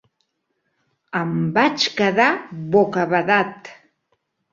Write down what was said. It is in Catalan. "Em vaig quedar bocabadat".